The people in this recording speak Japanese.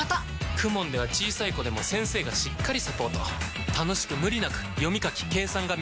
ＫＵＭＯＮ では小さい子でも先生がしっかりサポート楽しく無理なく読み書き計算が身につきます！